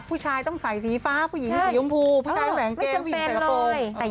ผู้ชายต้องใส่สีฟ้าผู้หญิงสีชมพูผู้ชายแสงแก้วผู้หญิงใส่กระโปรง